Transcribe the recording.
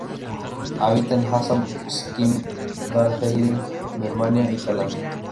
Habita en Assam, Sikkim, Darjeeling, Birmania y Tailandia.